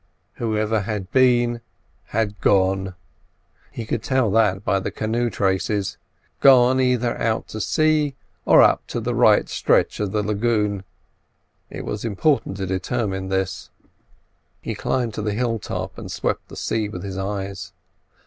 Whoever had been, had gone—he could tell that by the canoe traces. Gone either out to sea, or up the right stretch of the lagoon. It was important to determine this. He climbed to the hill top and swept the sea with his eyes.